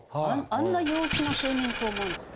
あんな陽気な青年と思わなかった。